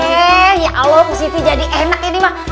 eh ya allah musifi jadi enak ini mah